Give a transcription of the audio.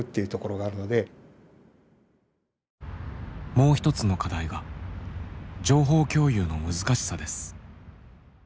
もう一つの課題が情報共有の難しさです。